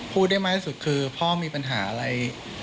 พูดได้มากที่สุดคือพ่อมีปัญหาอะไร